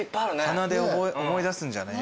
鼻で思い出すんじゃねえ？